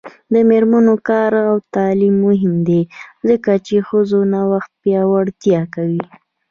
د میرمنو کار او تعلیم مهم دی ځکه چې ښځو نوښت پیاوړتیا کوي.